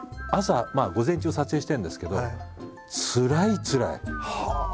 朝午前中撮影してるんですけどつらいつらい。